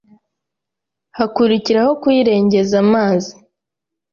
hakurikiraho kuyirengeza amazi,